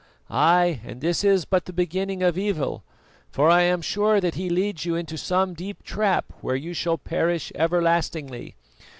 Ay! and this is but the beginning of evil, for I am sure that he leads you into some deep trap where you shall perish everlastingly.